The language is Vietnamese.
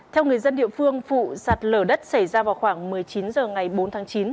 theo người dân địa phương vụ sạt lở đất xảy ra vào khoảng một mươi chín h ngày bốn tháng chín